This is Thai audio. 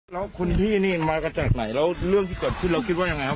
แล้วคุณพี่นี่มากันจากไหนแล้วเรื่องที่เกิดขึ้นเราคิดว่ายังไงครับ